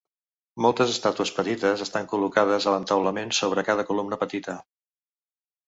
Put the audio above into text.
Moltes estàtues petites estan col·locades a l'entaulament sobre cada columna petita.